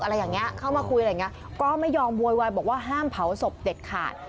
อะไรอย่างนี้เข้ามาคุยอะไรอย่างเงี้ยก็ไม่ยอมโวยวายบอกว่าห้ามเผาศพเด็ดขาด